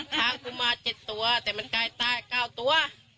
ช้างกูมาเจ็ดตัวแต่มันกลายตายเก้าตัว